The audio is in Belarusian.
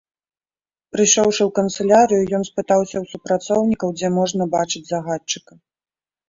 Прыйшоўшы ў канцылярыю, ён спытаўся ў супрацоўнікаў, дзе можна бачыць загадчыка.